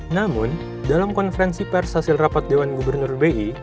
namun dalam konferensi pers hasil rapat dewan gubernur bi